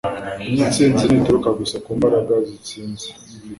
insinzi ntituruka gusa ku mbaraga zitsinze